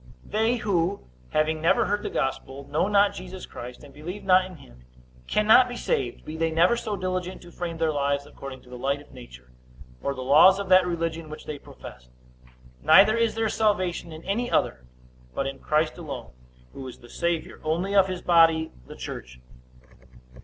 They who, having never heard the gospel, know not Jesus Christ, and believe not in him, cannot be saved, be they never so diligent to frame their lives according to the light of nature, or the laws of that religion which they profess; neither is there salvation in any other, but in Christ alone, who is the Savior only of his body the church.